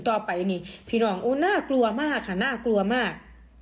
ต่อไปนี่พี่น้องโอ้น่ากลัวมากค่ะน่ากลัวมาก